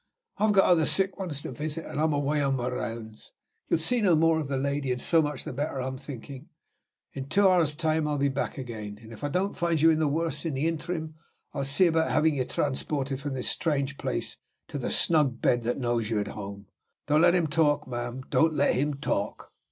I've got other sick ones to visit, and I'm away on my rounds. You'll see no more of the lady; and so much the better, I'm thinking. In two hours' time I'll be back again; and if I don't find you the worse in the interim, I'll see about having you transported from this strange place to the snug bed that knows you at home. Don't let him talk, ma'am, don't let him talk."